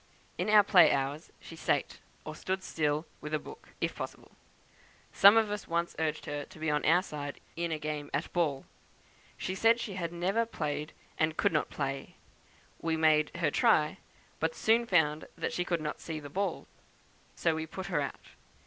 In our play hours she sate, or stood still, with a book, if possible. Some of us once urged her to be on our side in a game at ball. She said she had never played, and could not play. We made her try, but soon found that she could not see the ball, so we put her out.